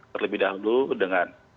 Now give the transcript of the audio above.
terlebih dahulu dengan